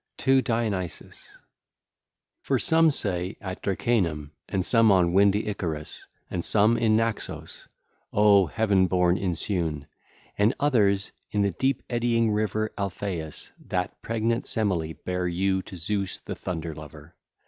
TO DIONYSUS 2501 (ll. 1 9) For some say, at Dracanum; and some, on windy Icarus; and some, in Naxos, O Heaven born, Insewn 2502; and others by the deep eddying river Alpheus that pregnant Semele bare you to Zeus the thunder lover.